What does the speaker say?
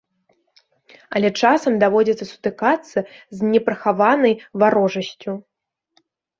Але часам даводзіцца сутыкацца з непрыхаванай варожасцю.